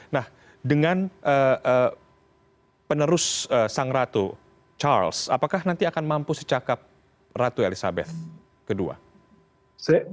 nah dengan penerus sang ratu charles apakah nanti akan mampu secakap ratu elizabeth ii